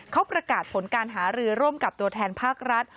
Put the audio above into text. เขาประกาศผลการหารือร่วมกับตัวแทนภาครัฐ